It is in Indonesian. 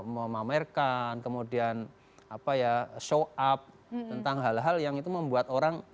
memamerkan kemudian show up tentang hal hal yang itu membuat orang